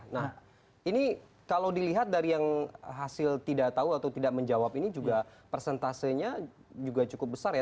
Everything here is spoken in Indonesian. nah ini kalau dilihat dari yang hasil tidak tahu atau tidak menjawab ini juga persentasenya juga cukup besar ya